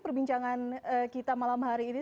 perbincangan kita malam hari ini